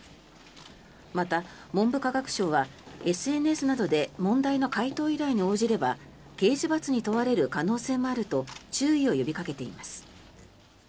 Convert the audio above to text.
また、文部科学省はＳＮＳなどで問題の解答依頼に応じれば刑事罰に問われる可能性もあると注意を呼びかけています。